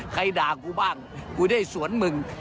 ใครด่ากูบ้างกูได้สวนมึง